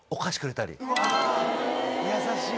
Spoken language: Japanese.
うわ優しい。